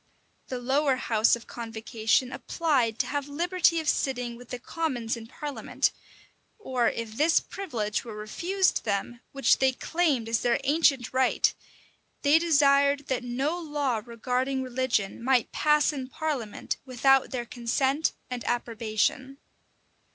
[] The lower house of convocation applied to have liberty of sitting with the commons in parliament; or if this privilege were refused them, which they claimed as their ancient right, they desired that no law regarding religion might pass in parliament without their consent and approbation.